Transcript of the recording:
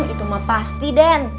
itu mah pasti den